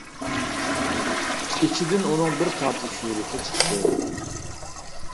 ئىچىدىن ئۇنىڭ بىر پارچە سۈرىتى چىقتى.